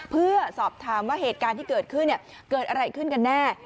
เพื่อสอบถามว่าเหตุการณ์ที่เกิดขึ้นเกิดอะไรขึ้นกันแน่